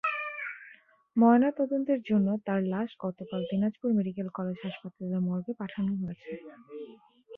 ময়নাতদন্তের জন্য তাঁর লাশ গতকাল দিনাজপুর মেডিকেল কলেজ হাসপাতালের মর্গে পাঠানো হয়েছে।